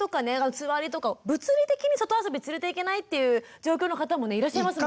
つわりとか物理的に外遊び連れて行けないっていう状況の方もいらっしゃいますもんね。